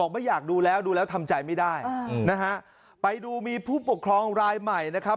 ไม่อยากดูแล้วดูแล้วทำใจไม่ได้นะฮะไปดูมีผู้ปกครองรายใหม่นะครับ